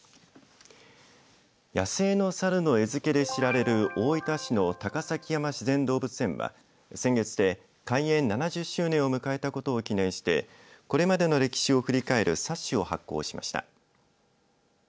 野生の猿の餌付けで大分市の高崎山自然動物園は先月で開園７０周年を迎えたことを記念してこれまでの歴史を振り返る冊子を発行しました。